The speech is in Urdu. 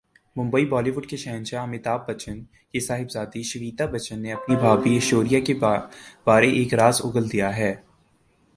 ممبئی بالی ووڈ کے شہنشاہ امیتابھبچن کی صاحبزادی شویتا بچن نے اپنی بھابھی ایشوریا کے بارے ایک راز اگل دیا ہے